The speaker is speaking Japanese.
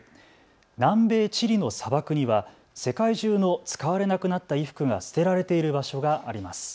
南米チリの砂漠には世界中の使われなくなった衣服が捨てられている場所があります。